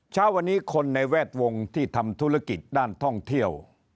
เช้าวันนี้คนในแวดวงที่ทำธุรกิจด้านท่องเที่ยว